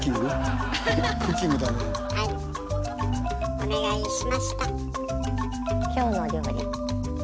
お願いしました。